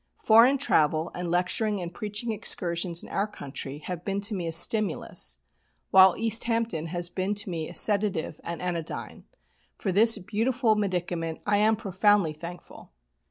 Foreign travel, and lecturing and preaching excursions in our own country have been to me a stimulus, while East Hampton has been to me a sedative and anodyne. For this beautiful medicament I am profoundly thankful.